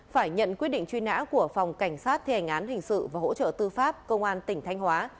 phải nhận quyết định truy nã của phòng cảnh sát thi hành án hình sự và hỗ trợ tư pháp công an tỉnh thanh hóa